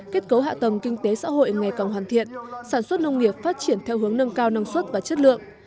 kết cấu hạ tầng kinh tế xã hội ngày càng hoàn thiện sản xuất nông nghiệp phát triển theo hướng nâng cao năng suất và chất lượng